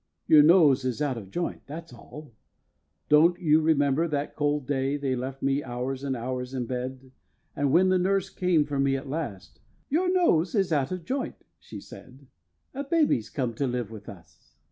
Your nose is out of joint, that's all. Don't you remember that cold day They left me hours and hours in bed, And when nurse came for me at last, "Your nose is out of joint," she said, "A baby's come to live with us?"